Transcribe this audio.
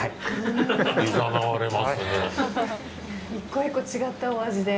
１個１個違ったお味で。